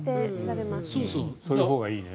そういうほうがいいね。